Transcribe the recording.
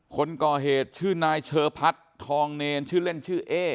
คนก่อเหตุชื่อนายเชอพัฒน์ทองเนรชื่อเล่นชื่อเอ๊